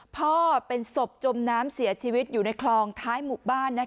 พ่อเป็นศพจมน้ำเสียชีวิตอยู่ในคลองท้ายหมู่บ้าน